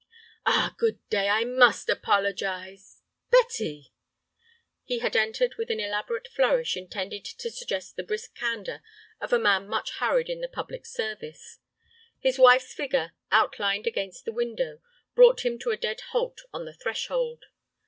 "Ah, good day; I must apologize—Betty!" He had entered with an elaborate flourish intended to suggest the brisk candor of a man much hurried in the public service. His wife's figure, outlined against the window, brought him to a dead halt on the threshold.